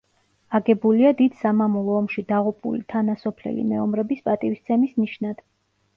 აგებულია დიდ სამამულო ომში დაღუპული თანასოფლელი მეომრების პატივისცემის ნიშნად.